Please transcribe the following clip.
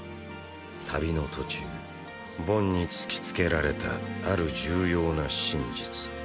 旅の途中ボンに突きつけられたある重要な真実。